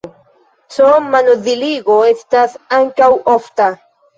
C-manoziligo estas ankaŭ ofta.